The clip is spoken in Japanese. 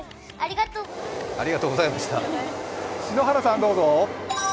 篠原さん、どうぞ。